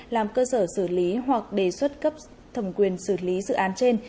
làm cơ sở xử lý hoặc đề xuất cấp thẩm quyền xử lý dự án trên